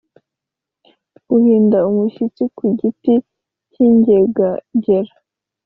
guhinda umushyitsi ku giti kinyeganyega;